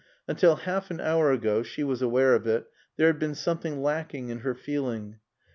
Until half an hour ago (she was aware of it) there had been something lacking in her feeling.